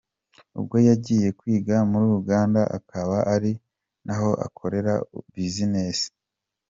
Ubwo yajyaga kwiga muri Uganda, akaba ari naho akorera business Rtd.